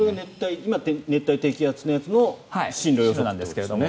今、熱帯低気圧のやつの進路予想図ですよね。